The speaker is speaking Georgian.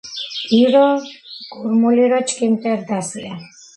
ირო გურმულირი ჩქიმი მტერი რდასია."